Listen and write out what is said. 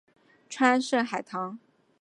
川滇海棠